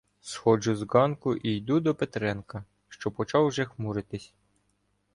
Сходжу з ґанку і йду до Петренка, що почав уже хмуритися.